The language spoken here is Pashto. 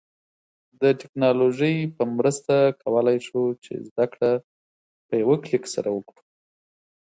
د ټیکنالوژی په مرسته کولای شو چې زده کړه په یوه کلیک سره وکړو